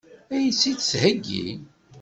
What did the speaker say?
Ad iyi-tt-id-theggi?